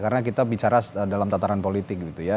karena kita bicara dalam tataran politik gitu ya